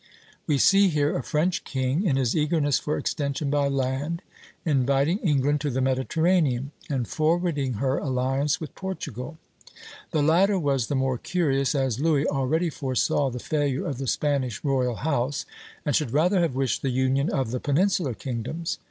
We see here a French king, in his eagerness for extension by land, inviting England to the Mediterranean, and forwarding her alliance with Portugal. The latter was the more curious, as Louis already foresaw the failure of the Spanish royal house, and should rather have wished the union of the peninsular kingdoms.